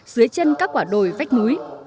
dưới chân các quả đồi vách núi